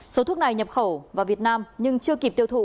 số thuốc này nhập khẩu vào việt nam nhưng chưa kịp tiêu thụ